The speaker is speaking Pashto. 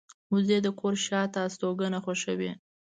وزې د کور شاته استوګنه خوښوي